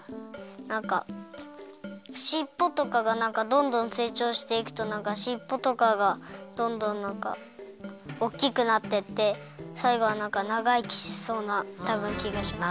なんかしっぽとかがなんかどんどんせいちょうしていくとなんかしっぽとかがどんどんなんかおっきくなってってさいごはなんかながいきしそうなたぶんきがします。